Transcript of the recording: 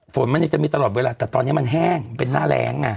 ฝนมันยังจะมีตลอดเวลาแต่ตอนนี้มันแห้งเป็นหน้าแรงไง